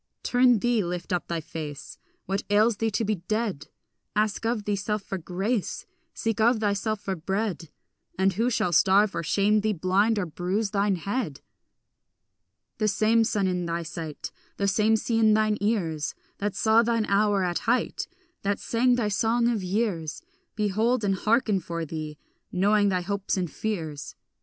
Turn thee, lift up thy face; What ails thee to be dead? Ask of thyself for grace, Seek of thyself for bread, And who shall starve or shame thee, blind or bruise thine head? The same sun in thy sight, The same sea in thine ears, That saw thine hour at height, That sang thy song of years, Behold and hearken for thee, knowing thy hopes and fears.